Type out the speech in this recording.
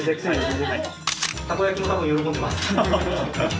たこ焼きも多分喜んでます。